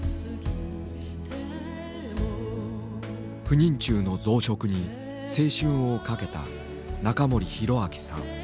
不妊虫の増殖に青春をかけた仲盛広明さん。